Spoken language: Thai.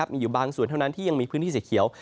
มีอยู่บางส่วนเท่านั้นที่ยังมีพื้นที่สีเขียว